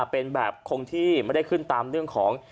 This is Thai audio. เป็นแบบคงที่ไม่ได้ขึ้นตามเรื่องของ